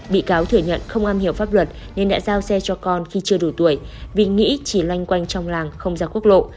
bị cáo thừa nhận không am hiểu pháp luật nên đã giao xe cho con khi chưa đủ tuổi vì nghĩ chỉ loanh quanh trong làng không ra quốc lộ